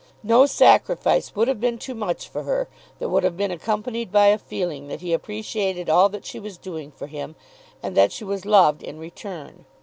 No sacrifice would have been too much for her that would have been accompanied by a feeling that he appreciated all that she was doing for him, and that she was loved in return.